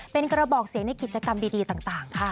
เป็นกระบอกเสียงในกิจกรรมดีต่างค่ะ